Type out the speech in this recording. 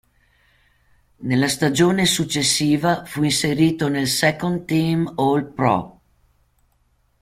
Nella stagione successiva fu inserito nel Second-Team All-Pro.